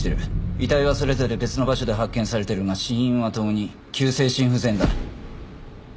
遺体はそれぞれ別の場所で発見されているが死因は共に急性心不全だ。